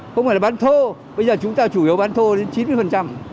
không phải là bán thô bây giờ chúng ta chủ yếu bán thô đến chín mươi